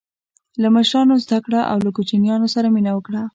له مشرانو زده کړه او له کوچنیانو سره مینه وکړه.